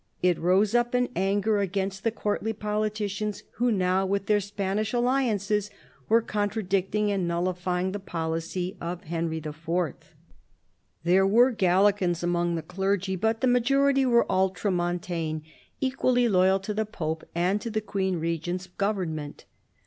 It rose up in anger against the courtly politicians who now, with their Spanish alliances, were contradicting and nullifying the policy of Henry IV. There were Galileans among the clergy, but the majority were Ultramontane, equally loyal to the Pope and to the Queen Regent's government.